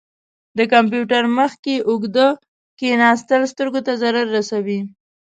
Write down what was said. د کمپیوټر مخ کې اوږده کښیناستل سترګو ته ضرر رسوي.